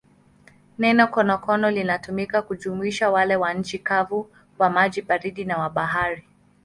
Neno konokono linatumika kujumuisha wale wa nchi kavu, wa maji baridi na wa bahari.